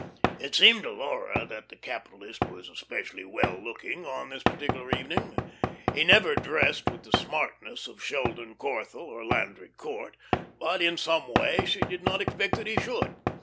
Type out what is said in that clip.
It seemed to Laura that the capitalist was especially well looking on this particular evening. He never dressed with the "smartness" of Sheldon Corthell or Landry Court, but in some way she did not expect that he should.